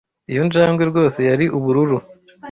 Iyo njangwe rwose yari ubururu.